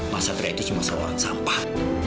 mas satria itu cuma seorang sampah